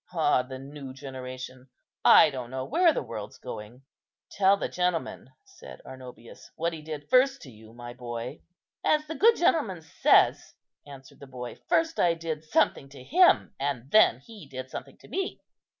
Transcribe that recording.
Ah, the new generation! I don't know where the world's going." "Tell the gentleman," said Arnobius, "what he did first to you, my boy." "As the good gentleman says," answered the boy, "first I did something to him, and then he did something to me."